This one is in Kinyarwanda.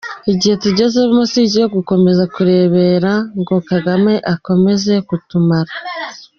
Igihe tugezemo si icyo gukomeza kurebera ngo kagame akomeze kutumara.